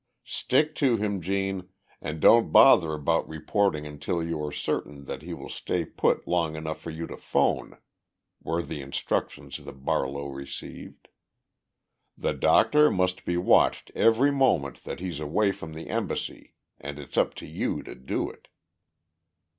"Stick to him, Gene, and don't bother about reporting until you are certain that he will stay put long enough for you to phone," were the instructions that Barlow received. "The doctor must be watched every moment that he's away from the Embassy and it's up to you to do it."